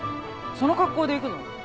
その格好で行くの？